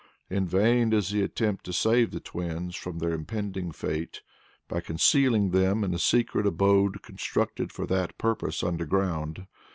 In vain does he attempt to save the twins from their impending fate, by concealing them in a secret abode constructed for that purpose underground.